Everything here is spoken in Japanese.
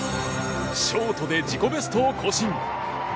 ショートで自己ベストを更新。